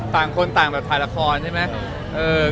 ต่างคนต่างแบบถ่ายละครใช่ไหม